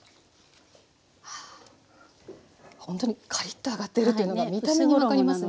ほんとにカリッと揚がっているっていうのが見た目に分かりますね。